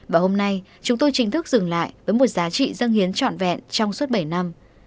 và hôm nay chúng tôi chính thức dừng lại với một giá trị dân hiến trọn vẹn trong suốt bảy năm